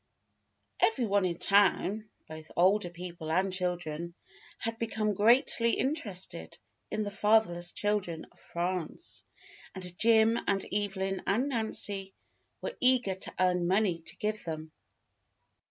Every one in town, both older people and chil dren, had become greatly interested in the Fatherless Children of France, and Jim and Evelyn and Nancy were eager to earn money to give them.